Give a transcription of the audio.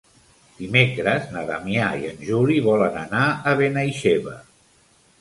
Dimecres na Damià i en Juli volen anar a Benaixeve.